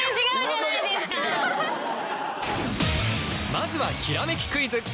まずはひらめきクイズ！